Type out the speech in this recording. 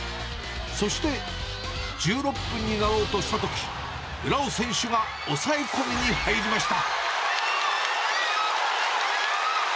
そして１６分になろうとしたとき、村尾選手が押さえ込みに入りました。